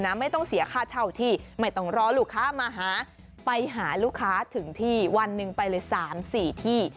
ไปหารุคค้าถึงที่วันหนึ่งไปเลย๓๔ที่